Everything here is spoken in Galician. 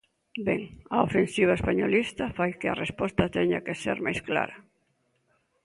Ben, a ofensiva españolista fai que a resposta teña que ser máis clara.